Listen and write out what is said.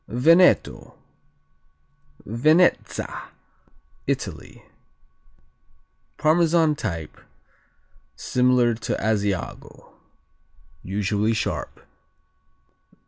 Veneto, Venezza Italy Parmesan type, similar to Asiago. Usually sharp.